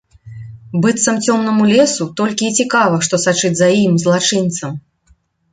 Быццам цёмнаму лесу толькі і цікава, што сачыць за ім, злачынцам.